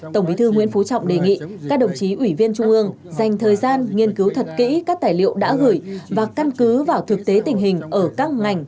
tổng bí thư nguyễn phú trọng đề nghị các đồng chí ủy viên trung ương dành thời gian nghiên cứu thật kỹ các tài liệu đã gửi và căn cứ vào thực tế tình hình ở các ngành